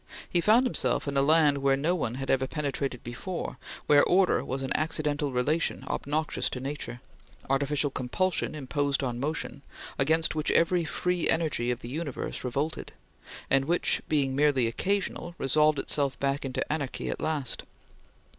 He found himself in a land where no one had ever penetrated before; where order was an accidental relation obnoxious to nature; artificial compulsion imposed on motion; against which every free energy of the universe revolted; and which, being merely occasional, resolved itself back into anarchy at last.